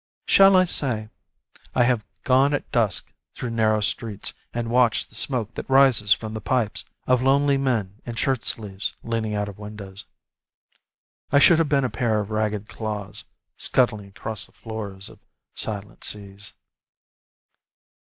Shall I say, I have gone at dusk through narrow streets And watched the smoke that rises from the pipes Of lonely men in shirt sleeves, leaning out of windows? ... I should have been a pair of ragged claws Scuttling across the floors of silent seas.